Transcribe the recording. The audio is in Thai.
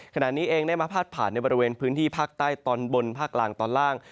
ขณะนี้เองได้มาพาดผ่านในบริเวณพื้นที่ภาคใต้ตอนบนภาคกลางตอนล่าง